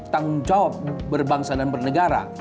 tanggung jawab berbangsa dan bernegara